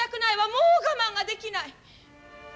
もう我慢ができない。